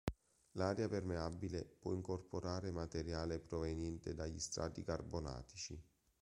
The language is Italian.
L'area permeabile può incorporare materiale proveniente dagli strati carbonatici.